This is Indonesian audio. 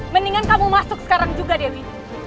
mendingan kamu masuk sekarang juga dewi